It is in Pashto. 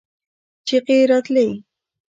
چيغې راتلې.